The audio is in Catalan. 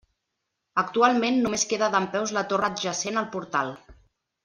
Actualment només queda dempeus la torre adjacent al portal.